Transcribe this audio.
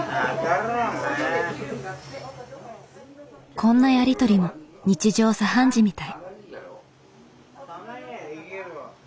こんなやり取りも日常茶飯事みたい。